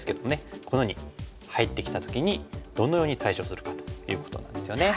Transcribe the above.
このように入ってきた時にどのように対処するかということなんですよね。